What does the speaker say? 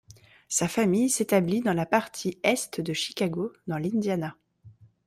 Sa famille s’établit dans la partie est de Chicago, dans l’Indiana.